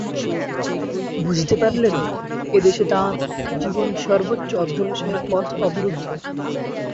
বুঝতে পারলেন এদেশে তাঁর জীবনে সর্বোচ্চ অধ্যবসায়ের পথ অবরুদ্ধ।